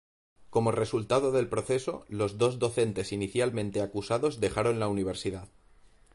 Como resultado del proceso, los dos docentes inicialmente acusados dejaron la universidad.